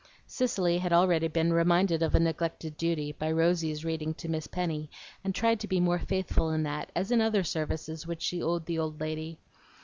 Cicely had already been reminded of a neglected duty by Rosy's reading to Miss Penny, and tried to be more faithful in that, as in other services which she owed the old lady.